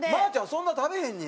そんな食べへんねや。